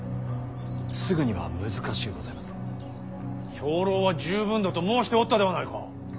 兵糧は十分だと申しておったではないか。